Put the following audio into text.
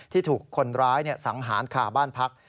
ที่ถูกคนร้ายสังหารคาบ้านพัก